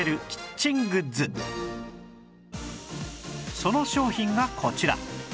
その商品がこちら